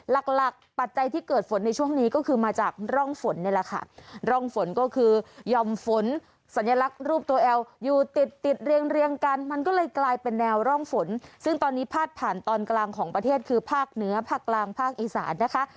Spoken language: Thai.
หลักหลักปัจจัยที่เกิดฝนในช่วงนี้ก็คือมาจากร่องฝนนี่แหละค่ะร่องฝนก็คือยอมฝนสัญลักษณ์รูปตัวแอลอยู่ติดติดเรียงเรียงกันมันก็เลยกลายเป็นแนวร่องฝนซึ่งตอนนี้พาดผ่านตอนกลางของประเทศคือภาคเหนือภาคกลางภาคอีสานนะคะ